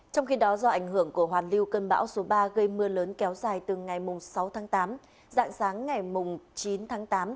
trong khi đó do ảnh hưởng của hoàn lưu cơn bão số ba gây mưa lớn kéo dài từ ngày sáu tháng tám dạng sáng ngày chín tháng tám